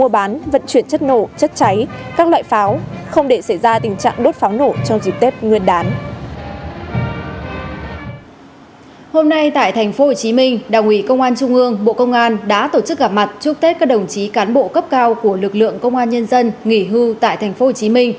bộ công an trung ương bộ công an đã tổ chức gặp mặt chúc tết các đồng chí cán bộ cấp cao của lực lượng công an nhân dân nghỉ hưu tại tp hcm